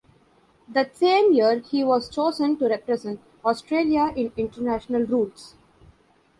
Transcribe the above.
That same year he was chosen to represent Australia in International Rules.